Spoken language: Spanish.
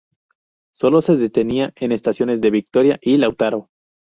Solo se detenía en estaciones de Victoria y Lautaro.